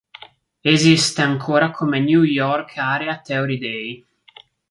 Esiste ancora come New York Area Theory Day.